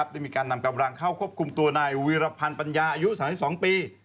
ได้มีการนำกำลังเข้าควบคุมตัวนายวีรพันธ์ปัญญาอายุ๓๒ปี